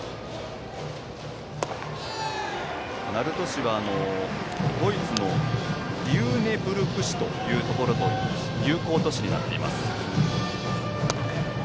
鳴門市はドイツのリューネブルク市と友好都市になっています。